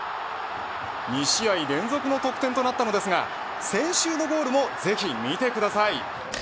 ２試合連続の得点となったのですが先週のゴールもぜひ見てください。